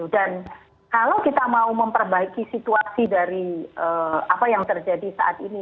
dan kalau kita mau memperbaiki situasi dari apa yang terjadi saat ini